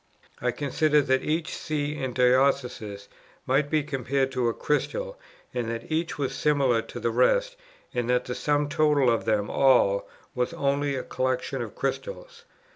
I considered that each See and Diocese might be compared to a crystal, and that each was similar to the rest, and that the sum total of them all was only a collection of crystals.